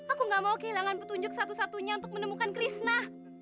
aku gak mau kehilangan petunjuk satu satunya untuk menemukan krishna